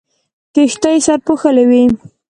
کښتۍ سرپوښلې وې.